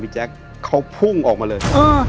แจ๊คเขาพุ่งออกมาเลย